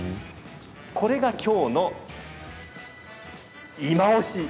これが、きょうのいまオシ！